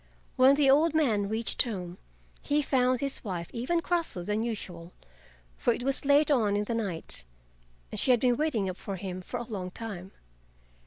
When the old man reached home he found his wife even crosser than usual, for it was late on in the night and she had been waiting up for him for a long time.